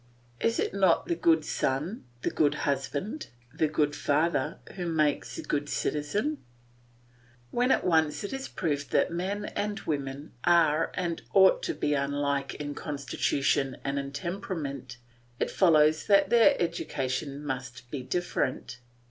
Is it not the good son, the good husband, the good father, who makes the good citizen? When once it is proved that men and women are and ought to be unlike in constitution and in temperament, it follows that their education must be different.